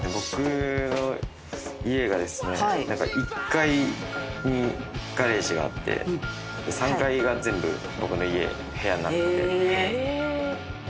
１階にガレージがあって３階が全部僕の家部屋になってて。